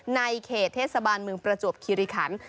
ในเขตเทศบาลเมืองประจวบคิริขัน